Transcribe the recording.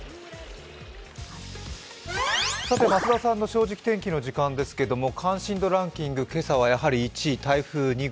増田さんの「正直天気」の時間ですけれども、関心度ランキング、今朝はやはり１位、台風２号。